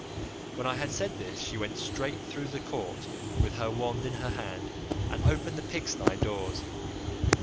"When I had said this she went straight through the court with her wand in her hand and opened the pigstye doors.